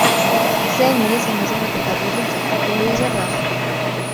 سامي ليس مجرّد طبيب فقط، بل هو جرّاح.